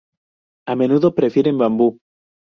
A menudo prefieren bambú.